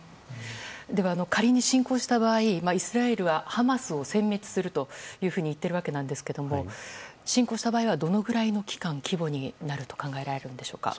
では、仮に侵攻した場合イスラエルはハマスを殲滅するといっているわけなんですが侵攻した場合はどのぐらいの期間、規模になると考えられるのでしょうか。